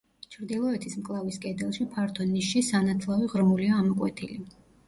ჩრდილოეთის მკლავის კედელში, ფართო ნიშში სანათლავი ღრმულია ამოკვეთილი.